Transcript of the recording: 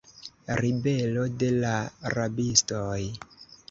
Ribelo de la rabistoj.